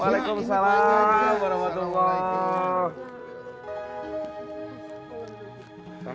waalaikumsalam warahmatullahi wabarakatuh